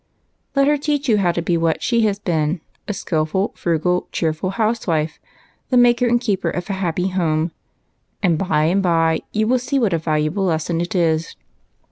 Let her teach you how to be what she has been, — a skilful, frugal, cheerful housewife ; the maker and the keeper of a happy home, and by and by you will see what a val uable lesson it is."